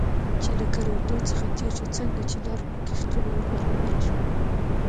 چې له کروندو څخه تېر شو، څنګه چې لار په کښتونو ور برابره شوه.